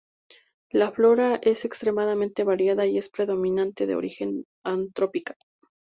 La flora es extremadamente variada, y es predominantemente de origen antrópica.